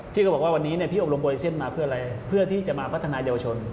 ก็บอกว่าวันนี้พี่อบรมโอลิเซียนมาเพื่ออะไรเพื่อที่จะมาพัฒนายาวชน